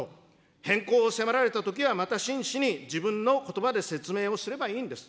変更を迫られたときは、また真摯に自分のことばで説明をすればいいんです。